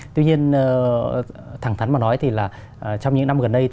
tuy nhiên thẳng thắn mà nói thì là trong những năm gần đây